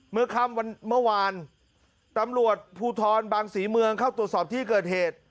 ค่ำวันเมื่อวานตำรวจภูทรบางศรีเมืองเข้าตรวจสอบที่เกิดเหตุ